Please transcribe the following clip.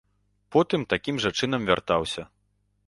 Потым такім жа чынам вяртаўся.